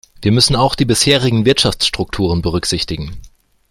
Wir müssen auch die bisherigen Wirtschaftsstrukturen berücksichtigen.